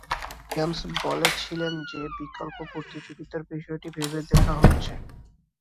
Williams বলেছিলেন যে, বিকল্প প্রতিযোগিতার বিষয়টি ভেবে দেখা হচ্ছে।